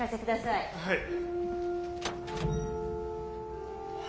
はい。